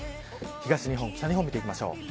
東日本、北日本を見ていきましょう。